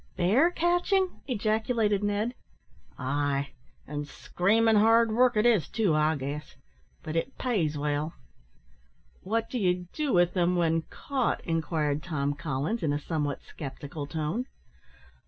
"Bear catching?" ejaculated Ned. "Ay, an' screamin' hard work it is too, I guess; but it pays well." "What do you do with them when caught?" inquired Tom Collins, in a somewhat sceptical tone.